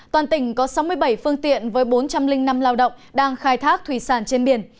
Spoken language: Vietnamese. toàn tỉnh có sáu mươi bảy phương tiện với bốn trăm linh năm lao động đang khai thác thủy sản trên biển